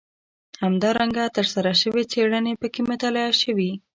همدارنګه ترسره شوې څېړنې پکې مطالعه شوي.